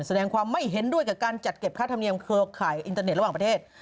แสดงความไม่เห็นด้วยกับการจัดเก็บค่าธรรมเนียมเครือข่ายอินเตอร์เน็ตระหว่างประเทศ